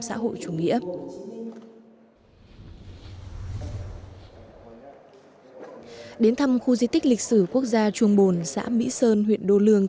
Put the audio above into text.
xã hội chủ nghĩa đến thăm khu di tích lịch sử quốc gia trung bồn xã mỹ sơn huyện đô lương